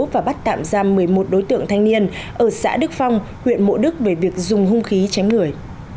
và bắt tạm giam một mươi một đối tượng thanh niên ở xã đức phong huyện mộ đức về việc dùng hung khí tránh người